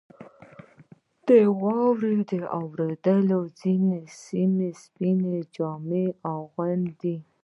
• د واورې اورېدل ځینې سیمې سپینې جامې اغوندي.